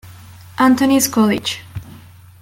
Antony’s College.